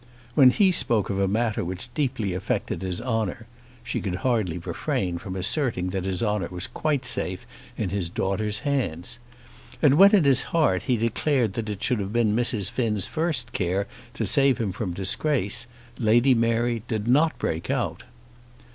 When he spoke of a matter which deeply affected his honour, she could hardly refrain from asserting that his honour was quite safe in his daughter's hands. And when in his heart he declared that it should have been Mrs. Finn's first care to save him from disgrace, Lady Mary did break out.